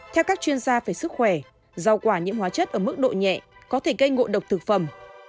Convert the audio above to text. theo các chuyên gia về sức khỏe rau quả nhiễm hóa chất ở mức độ nhẹ có thể gây ngộ độc thực phẩm